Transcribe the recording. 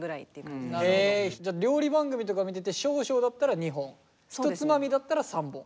じゃあ料理番組とか見てて少々だったら２本一つまみだったら３本。